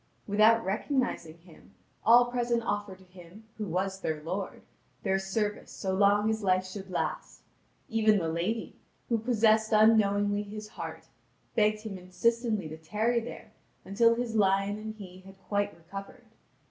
Without recognising him, all present offered to him, who was their lord, their service so long as life should last; even the lady, who possessed unknowingly his heart, begged him insistently to tarry there until his lion and he had quite recovered.